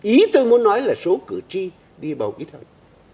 ý tôi muốn nói là số cử tri đi bầu ít hơn